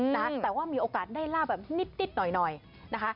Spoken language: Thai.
แต่ว่ามีโอกาสได้ลาบแบบนิดหน่อยหน่อยนะคะ